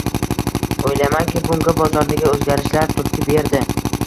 Oʻylaymanki, bunga bozordagi oʻzgarishlar turtki berdi.